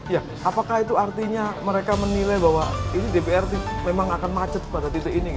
ya apakah itu artinya mereka menilai bahwa ini dprd memang akan macet pada titik ini